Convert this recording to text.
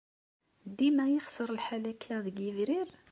Dima yexṣer lḥal akka deg Yebrir?